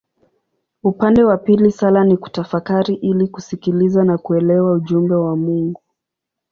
Upande wa pili sala ni kutafakari ili kusikiliza na kuelewa ujumbe wa Mungu.